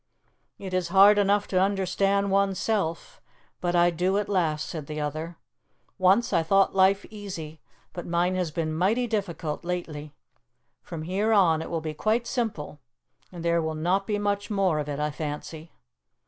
"It is hard enough to understand oneself, but I do at last," said the other. "Once I thought life easy, but mine has been mighty difficult lately. From here on it will be quite simple. And there will not be much more of it, I fancy."